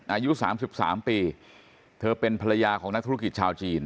อายุ๓๓ปีเธอเป็นภรรยาของนักธุรกิจชาวจีน